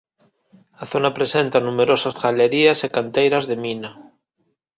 A zona presenta numerosas galerías e canteiras de mina.